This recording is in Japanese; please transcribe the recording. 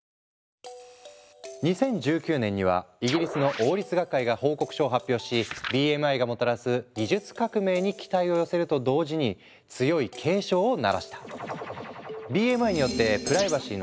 ２０１９年にはイギリスの王立学会が報告書を発表しＢＭＩがもたらす技術革命に期待を寄せると同時に強い警鐘を鳴らした。